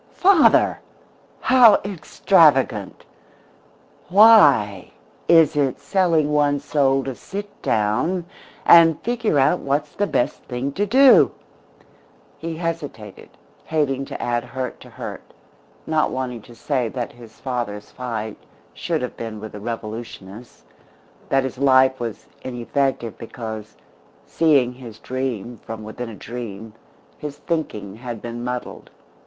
"Father! How extravagant! Why is it selling one's soul to sit down and figure out what's the best thing to do?" He hesitated, hating to add hurt to hurt, not wanting to say that his father's fight should have been with the revolutionists, that his life was ineffective because, seeing his dream from within a dream, his thinking had been muddled.